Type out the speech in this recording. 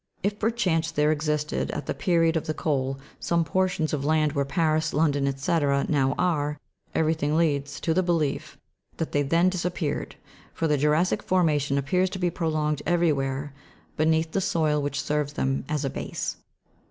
If per chance there existed, at the period of the coal, some portions of land where Paris, London, &c., now are, everything leads to the belief that they then disappeared, for the jura'ssic formation appears to be prolonged everywhere beneath the soil which serves them as a base.